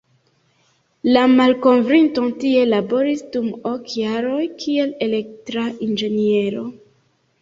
La malkovrinto tie laboris dum ok jaroj kiel elektra inĝeniero.